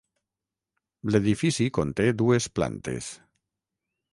L'edifici conté dues plantes.